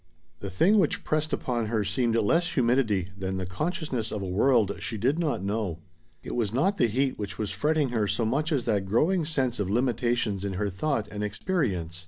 The thing which pressed upon her seemed less humidity than the consciousness of a world she did not know. It was not the heat which was fretting her so much as that growing sense of limitations in her thought and experience.